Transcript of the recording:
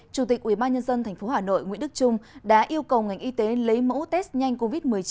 chủ tịch ubnd tp hà nội nguyễn đức trung đã yêu cầu ngành y tế lấy mẫu test nhanh covid một mươi chín